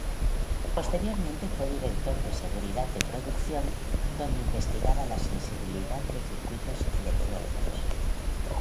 Posteriormente fue director de seguridad de producción, donde investigaba la sensibilidad de circuitos electrónicos.